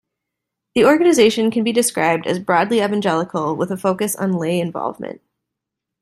The organisation can be described as broadly evangelical with a focus on lay involvement.